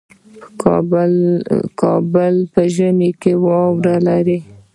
کابل په ژمي کې واوره لري